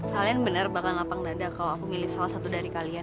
kalian benar bakal lapang dada kalau aku milih salah satu dari kalian